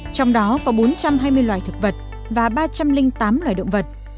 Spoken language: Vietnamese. trong đó có bốn trăm hai mươi loài thực vật và ba trăm linh tám loài động vật